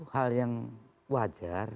hal yang wajar